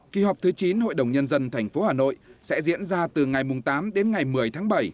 kỳ họp thứ chín hội đồng nhân dân tp hà nội sẽ diễn ra từ ngày tám đến ngày một mươi tháng bảy